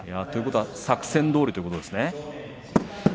ということは作戦どおりということですね。